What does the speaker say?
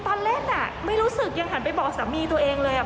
คนแซวเรื่องมีน้องเยอะหรือเปล่า